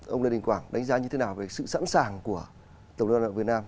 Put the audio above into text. ông lê đình quảng đánh giá như thế nào về sự sẵn sàng của tổng đoàn lao động việt nam